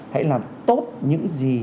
hãy làm tốt những gì